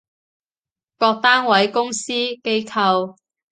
各單位，公司，機構